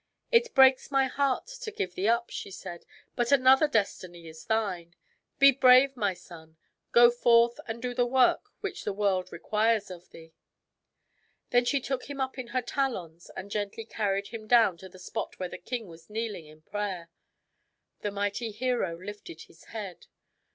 " It breaks my heart to give thee up," she said ; "but another destiny is thine. Be brave, my son. Go forth and do the work which the world requires of thee." Then she took him up in her talons and gently carried him down to the spot where the king was kneeling in prayer. The mighty hero lifted his head.